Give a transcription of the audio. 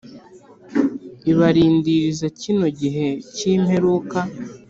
Ibarindiriza kino gihe cyi imperuka